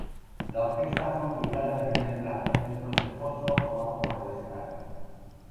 La orquesta fue ubicada en primer plano, dentro del foso formado por el escenario.